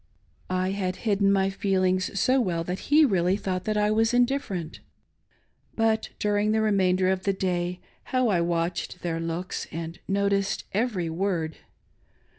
'" I had hidden my feelings so well that he really thought that I was indifferent. But during the remainder of the day how I watched their looks and noticed every word